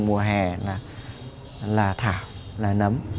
mùa hè là thảo